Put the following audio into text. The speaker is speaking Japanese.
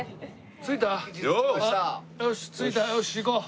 着いたよし行こう。